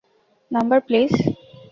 Number, please?